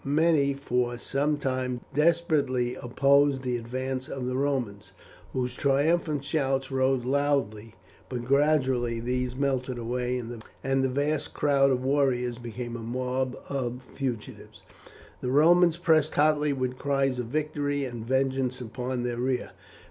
Many for some time desperately opposed the advance of the Romans, whose triumphant shouts rose loudly; but gradually these melted away, and the vast crowd of warriors became a mob of fugitives, the Romans pressing hotly with cries of victory and vengeance upon their rear.